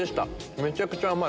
めちゃくちゃ甘い！